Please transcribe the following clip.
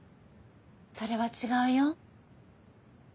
それは違うよ。